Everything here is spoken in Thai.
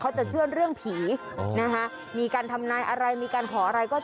จะเชื่อเรื่องผีนะคะมีการทำนายอะไรมีการขออะไรก็